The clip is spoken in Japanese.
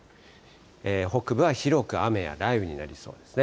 北部は広く雨や雷雨になりそうですね。